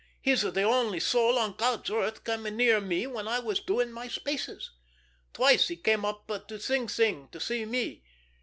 He's the only soul on God's earth came near me when I was doing my spaces. Twice he came up to Sing Sing to see me.